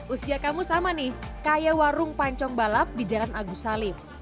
usia kamu sama nih kayak warung pancong balap di jalan agus salim